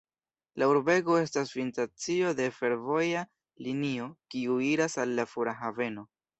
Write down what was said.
La urbego estas finstacio de fervoja linio, kiu iras al la fora haveno.